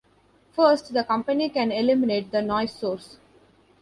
First, the company can eliminate the noise source.